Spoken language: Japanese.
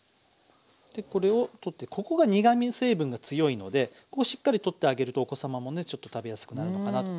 でこれを取ってここが苦み成分が強いのでここしっかり取ってあげるとお子様もねちょっと食べやすくなるのかなと。